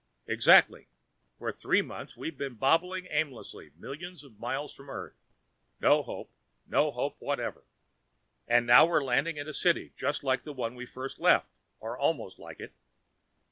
"Exactly. For three months we've been bobbling aimlessly, millions of miles from earth. No hope, no hope whatever. And now we're landing in a city just like the one we first left, or almost like it.